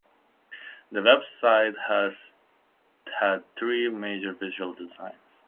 The web site has had three major visual designs.